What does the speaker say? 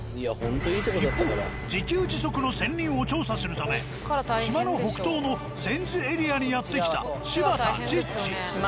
一方自給自足の仙人を調査するため島の北東の泉津エリアにやって来た柴田チッチ。